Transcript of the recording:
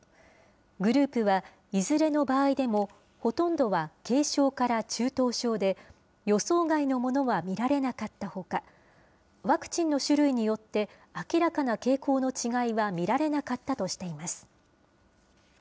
グループは、いずれの場合でも、ほとんどは軽症から中等症で、予想外のものは見られなかったほか、ワクチンの種類によって、明らかな傾向の違いは見られなかったとしています。